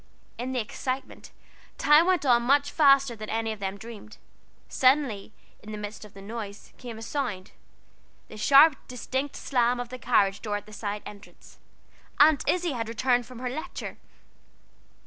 In the excitement, time went on much faster than any of them dreamed. Suddenly, in the midst of the noise, came a sound the sharp distinct slam of the carryall door at the side entrance. Aunt Izzie had returned from her Lecture.